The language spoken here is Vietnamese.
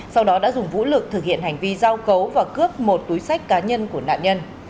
sau đó đã dùng vũ lực thực hiện hành vi giao cấu và cướp một túi sách cá nhân của nạn nhân